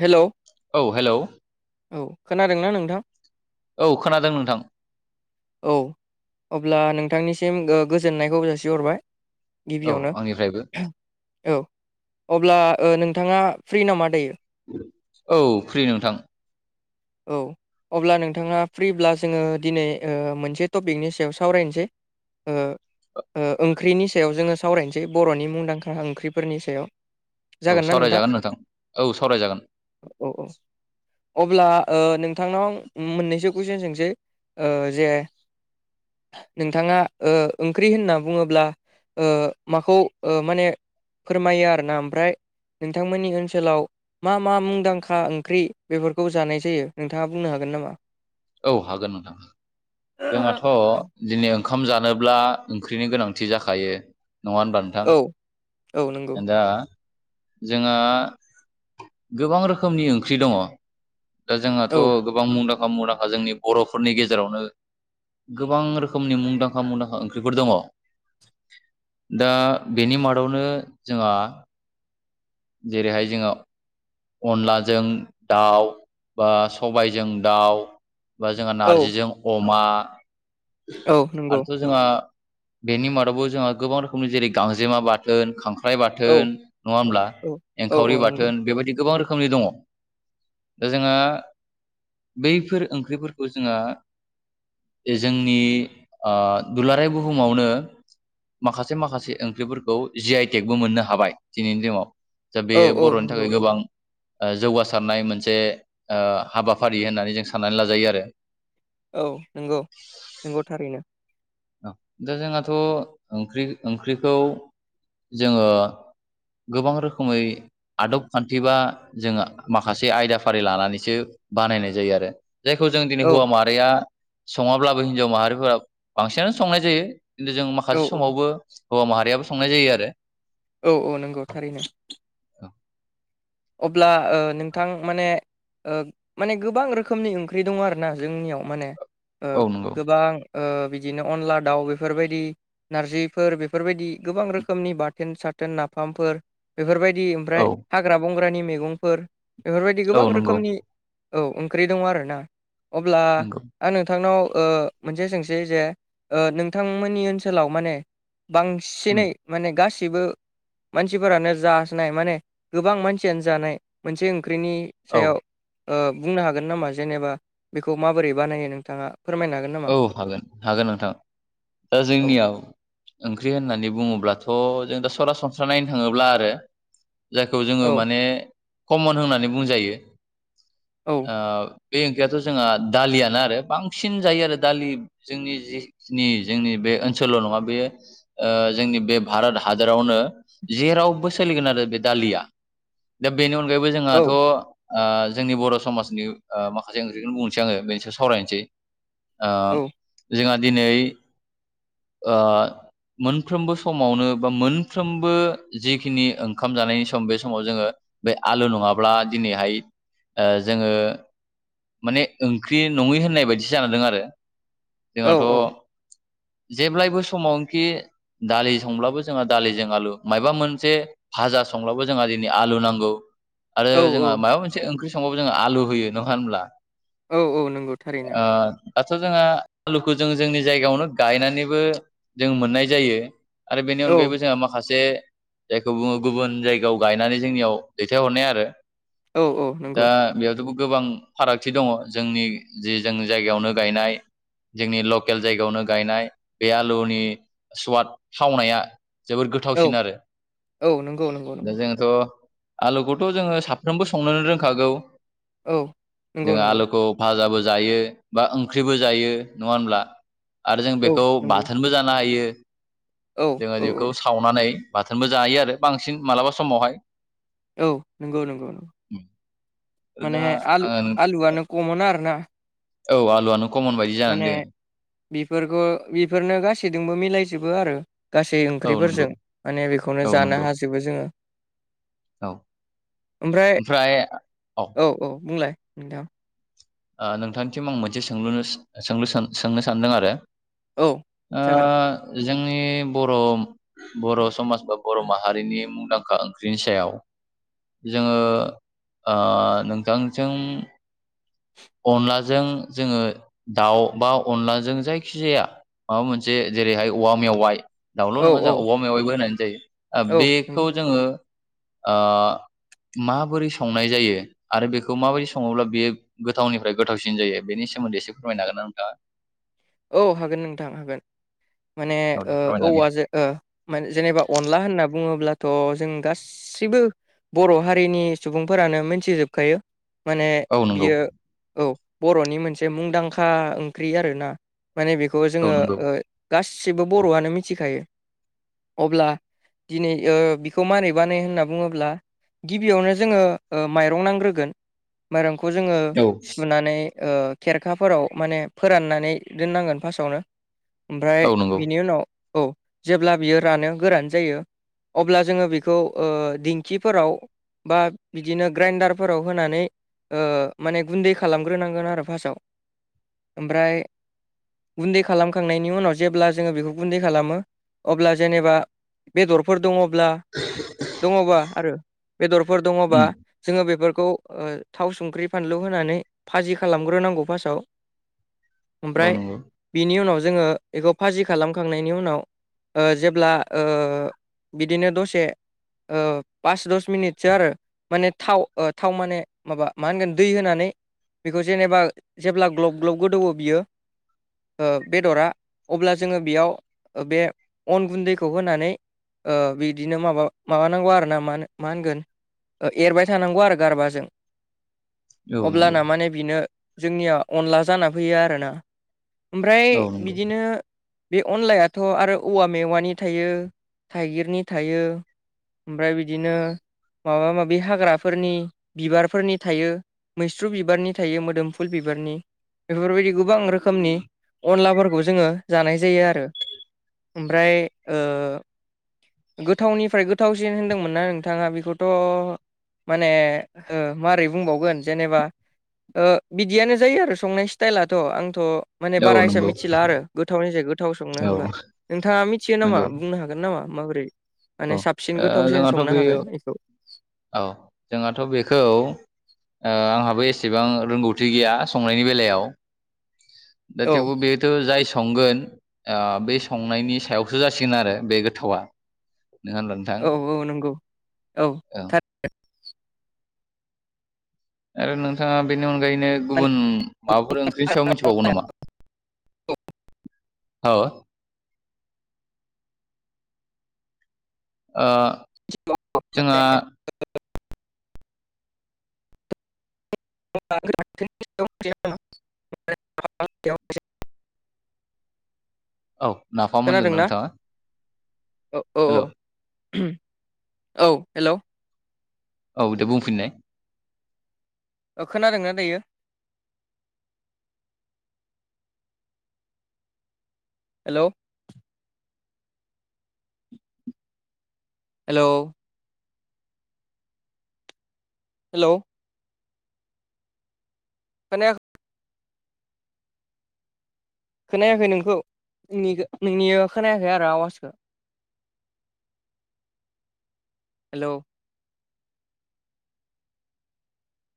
हेल' औ हेल' औ खोनादोंना नोंथां? औ खोनादों नोंथां। औ अब्ला नोंथांनिसिम ओ गोजोननायखौ जासिहरबाय। औ गिबियावनो आंनिफ्रायबो औ अब्ला ओ नोंथाङा फ्रि नामा दायो? औ फ्रि नोंथां। औ अब्ला नोंथाङा फ्रिब्ला जोङो दिनै ओ मोनसे टपिकनि सायाव सावरायनोसै। ओ ओ ओंख्रिनि सायाव जोङो सावरायनोसै, बर'नि मुंदांखा ओंख्रिफोरनि सायाव। औ जागोन ना सावरायजागोन नोंथां, औ सावरायजागोन। औ औ। अब्ला ओ नोंथांनाव मोननैसो कुइसन सोंसै जे नोंथाङा ओ ओंख्रि होनना बुङोब्ला ओ माखौ ओ माने फोरमायो आरोना ओमफ्राय नोंथांमोननि ओनसोलाव मा मा मुंदांखा ओंख्रि बेफोरखौ जानाय जायो, नोंथाङा बुंनो हागोन नामा? औ हागोन नोंथां हागोन। जोंहाथ' दिनै ओंखाम जानोब्ला ओंख्रिनि गोनांथि जाखायो। नङा होमबा? औ। औ नंगौ दा जोंहा गोबां रोखोमनि ओंख्रि दङ। दा जोंहाथ' औ गोबां मुंदांखा मुंदांखा जोंनि बर'फोरनि गेजेरावनो गोबां रोखोमनि मुंदांखा मुंदांखा ओंख्रिफोर दङ। दा बेनि मादावनो जोंहा जेरैहाय जोङो अनलाजों दाउ बा सबायजों दाउ बा जोंहा औ नार्जिजों अमा। औ नंगौ। आरोथ' जोंहा बेनि मादावबो जोंहा गोबां रोखोमनि जेरै गांजेमा बाथोन, खां ख्राइ औ बाथोन नङा होमब्ला? औ औ एंखावरि औ नंगौ बाथोन बेबायदि गोबां रोखोमनि दङ। दा जोङो बैफोर ओंख्रिफोरखौ जोङो जोंनि ओ दुलाराय बुहुमावनो माखासे माखासे ओंख्रिफोरखौ जि आइ टेकबो मोननो हाबाय दिनैनि दिनाव। दा बे औ औ बर'नि नंगौ थाखाय गोबां जौगासारनाय मोनसे हाबाफारि होननानै जों साननानै लाजायो आरो। औ नंगौ, नंगौ थारैनो। औ दा जोंहाथ' ओंख्रि ओंख्रिखौ जोङो गोबां रोखोमै आदब खान्थि बा जोङो माखासे आयदा फारि लानानैसो बानायनाय जायो आरो। जायखौ जों दिनै औ हौवा माहारिया सङाब्लाबो हिनजाव माहारिफोरा बांसिनानो संनाय जायो। खिन्थु जों औ माखासे समावबो हौवा माहारियाबो संनाय जायो आरो। औ औ नंगौ थारैनो। अब्ला ओ नोंथां माने ओ माने गोबां रोखोमनि ओंख्रि दं आरोना जोंनियाव माने ओ औ नंगौ गोबां ओ बिदिनो अनला दाउ बेफोरबायदि नारजिफोर बेफोरबायदि गोबां रोखोमनि बाथोन साथोन नाफामफोर बेफोरबायदि औ ओमफ्राय हाग्रा बंग्रानि मैगंफोर। बेफोरबायदि औ गोबां नंगौ रोखोमनि औ ओंख्रि दङ आरोना। अब्ला नंगौ आं नोंथांनाव ओ मोनसे सोंसै जे ओ नोंथांमोननि ओनसोलाव माने बां उम सिनै माने गासिबो मानसिफोरानो जानाय माने गोबां मान सियानो जानाय मोनसे ओंख्रिनि औ सायाव ओ बुंनो हागोन नामा जेनेबा बेखौ माबोरै बानायो नोंथाङा फोरमायनो हागोन नामा? औ हागोन, हागोन नोंथां। दा औ जोंनियाव ओंख्रि होननानै बुङोब्लाथ' जों दा सरासनस्रा नायनो थाङोब्ला आरो जायखौ औ जोङो माने कम्मन होननानै बुंजायो औ। ओ बे ओंख्रियाथ' जोंहा दालियानो आरो बांसिन जायो आरो। दालि जोंनि जिखिनि जोंनि बे ओनसोलल' नङा बेयो ओ जोंनि बे भारत हादरावनो जेरावबो सोलिगोन आरो बे दालिया दा बेनि अनगायैबो औ जोंहाथ' ओ जोंनि बर' समाजनि ओ माखासे ओंख्रिखौनो बुंनोसै आङो बे [unintelligible] सावरायनोसै ओ जोंहा दिनै ओ मोनफ्रोमबो समावनो बा मोनफ्रोमबो जिखिनि ओंखाम जानायनि सम बे समाव जोङो बे आलु नङाब्ला दिनैहाय ओ जोङो माने ओंख्रि नङै होननाय बायदिसो जाना दं आरो औ जोंहाथ' जेब्लायबो समावखि दालि संब्लाबो जोंहा दालिजों आलु मायबा मोनसे भाजा संब्लाबो जोंहा दिनै आलु नांगौ आरो औ जोंहा माबा मोनसे ओंख्रि संबाबो जोंहा आलु होयो नङा होमब्ला औ औ नंगौ थारैनो ओ दाथ' जोंहा आलुखौ जों जोंनि जायगायावनो गायनानैबो जों मोननाय जायो आरो बेनि औ अनगायैबो जोंहा माखासे जायखौ बुङो गुबुन जायगायाव गायनानै जोंनियाव दैथायहरनाय आरो औ औ नोंगौ दा बेयावथ' गोबां फारागथि दङ जोंनि जि जोंनि जायगायावनो गायनाय जोंनि लकेल जायगायावनो गायनाय बे आलुनि सुवाद थावनाया जोबोद औ गोथावसिन आरो औ नंगौ नंगौ नंगौ दा जों थ' आलुखौथ' जोङो साफ्रोमबो संनोनो रोंखागौ औ नंगौ जोंहा नंगौ आलुखौ फाजाबो जायो बा ओंख्रिबो जायो नङा होनब्ला आरो जों औ बेखौ नंगौ बाथोनबो जानो हायो औ जोङो औ बेखौ सावनानै बाथोनबो जायो आरो बांसिन मालाबा समावहाय औ नंगौ नंगौ माने दा आलु आलुआनो खमन आरो ना औ आलुआनो कमन बायदि जानानै दोङो बेफोर [unintelligible] बेफोरनो गासैजोंबो मिलायजोबो आरो गासै औ नंगौ ओंख्रिफोरजों माने बेखौनो औ जानो नंगौ हाजोबो जोङो औ ओमफ्राय औ औ बुंलाय नोंथां ओ नोंथांनिसिम आं मोनसे सोंलुनो सोंलु सोन सोंनो सानदों आरो औ जागोन ओ जोंनि बरम बर' समाज बा बर' माहारिनि मुंदांखा ओंख्रिनि सायाव जोङो ओ नोंथांजों अनलाजों जोङो दाउ बा अनलाजों जायखि जाया माबा मोनसे जेरैहाय औवा मेवाइ दाउल' औ नङा औ जोंहा औवा मेवायबो होननानै जायो ओ औ बेखौ नंगौ जोङो ओ माबोरै संनाय जायो आरो बेखौ माबायदि सङोब्ला बेयो गोथावनिफ्राय गोथावसिन जायो बेनि सोमोन्दै एसे फोरमायनो हागोन ना नोंथाङा? औ हागोन नोंथां हागोन माने औ दे ओ फोरमायनानै औवाजो ओ मा जेनेबा अनला होनना बुङोब्लाथ' जों गास सिबो बर' हारिनि सुबुंफोरानो मोनथिजोबखायो माने औ नंगौ बियो औ बर'नि मोनसे मुंदांखा ओंख्रि आरोना माने बेखौ औ जोङो नंगौ ओ गासिबो बर'आनो मिथिखायो अब्ला दिनै ओ बिखौ मारै बाने होनना बुङोब्ला गिबियावनो जोङो ओ माइरं नांग्रोगोन माइरंखौ जोङो औ सुनानै ओ खेरखाफोराव माने फोराननानै दोननांगोन फास्टआवनो ओमफ्राय औ नंगौ बिनि उनाव औ जेब्ला बियो रानो गोरान जायो अब्ला जोङो बेखौ ओ दिंखिफोराव बा बिदिनो ग्राइन्डारफोराव होनानै ओ माने गुन्दै खालामग्रोनांगोन आरो फास्टआव ओमफ्राय गुन्दै खालामखांनायनि उनाव जेब्ला जोङो बेखौ गुन्दै खालामो अब्ला जेनेबा बेदरफोर दङब्ला दङबा आरो बेदरफोर दङबा उम जोङो बेफोरखौ ओ थाव संख्रि फानलु होनानै फाजि खालामग्रोनांगौ फार्स्टआव। औ ओमफ्राय नंगौ बिनि उनाव जोङो बेखौ फाजि खालामखांनायनि उनाव ओ जेब्ला ओ बिदिनो दसे ओ पास दस मिनिटसो आरो‌। माने थाव ओ थाव माने माबा मा होनगोन दै होनानै बेखौ जेनेबा जेब्ला ग्लब ग्लब गोदौवो बियो। ओ बेदरा अब्ला जोङो बेयाव बे अन गुन्दैखौ होनानै ओ बिदिनो माबा माबानांगौ आरो ना मा होनो मा होनगोन ओ एरबाय थानांगौ आरो गारबाजों। औ [inaudible] नंगौ अब्लाना माने बिनो जोंनिया अनला जाना फैयो आरोना। ओमफ्राय औ नंगौ बिदिनो बे अनलायाथ' आरो औवा मेवानि थायो थाइगिरनि थायो ओमफ्राय बिदिनो माबा माबि हाग्राफोरनि बिबारफोरनि थायो। मैस्रु बिबारनि थायो मोदोमफुल बिबारनि बेफोरबायदि गोबां रो खोमनि अनलाफोरखौ जोङो जानाय जायो आरो। ओमफ्राय ओ गोथावनिफ्राय गोथावसिन होनदोंमोन ना नोंथाङा बेखौथ' माने ओ मारै बुंबावगोन जेनेबा ओ बिदियानो जायो आरो संनाय स्टाइलाथ' आं थ' माने औ बारा हिसां नंगौ मिथिला आरो गोथावनि सायाव गोथाव संनो औ होनबा नोंथाङा मिथियो नामा नंगौ बुंनो हागोन। गोन नामा माबोरै औ ओ माने साबसिन गोथावसिन जोंहाथ' संनो बे हागोन एखौ? औ जोंहाथ' बेखौ ओ आंहाबो एसेबां रोंगौथि गैया संनायनि बेलायाव। दा औ थेवबो बे खिन्थु जाय संगोन ओ बे संनायनि सायावसो जासिगोन आरो बे गोथावा। नोङा होनब्ला नोंथां? औ औ नंगौ औ। आरो नोंथाङा बेनि अनगायैनो गुबुन माबाफोर ओंख्रिनि सायाव मिथिबावो नामा? औ। ओ जोंहा [unintelligible] औ नाफाम होनदों ना खोनादोंना नोंथाङा। औ औ औ हेल' ओहोम औ हेल'। औ दे बुंफिननाय। ओ खोनादों ना दायो? हेलौ। हेलौ। हेलौ। [unintelligible] खोनायाखै नोंखौ नोंनि नोंनिया खोनायाखै आरो आवाजखो। [inaudible] हेलौ।